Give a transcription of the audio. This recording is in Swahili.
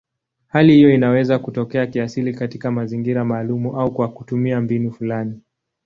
Hali hiyo inaweza kutokea kiasili katika mazingira maalumu au kwa kutumia mbinu fulani.